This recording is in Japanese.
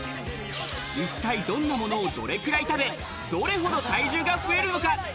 一体どんなものを、どれくらい食べ、どれほど体重が増えるのか？